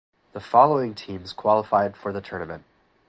The following teams qualified for the tournament.